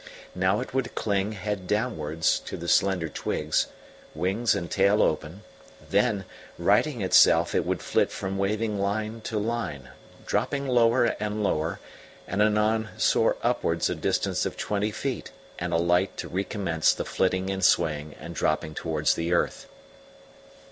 Now it would cling, head downwards, to the slender twigs, wings and tail open; then, righting itself, it would flit from waving line to line, dropping lower and lower; and anon soar upwards a distance of twenty feet and alight to recommence the flitting and swaying and dropping towards the earth.